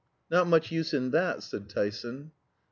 "Not much use in that," said Tyson.